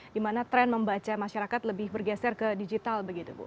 di mana tren membaca masyarakat lebih bergeser ke digital